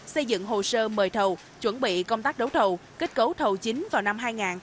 xây dựng hồ sơ mời thầu chuẩn bị công tác đấu thầu kết cấu thầu chính vào năm hai nghìn hai mươi